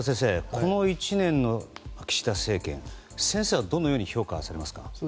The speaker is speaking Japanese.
この１年の岸田政権を先生はどのように評価されますか。